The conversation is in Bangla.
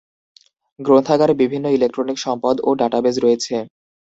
গ্রন্থাগারে বিভিন্ন ইলেকট্রনিক সম্পদ ও ডাটাবেস রয়েছে।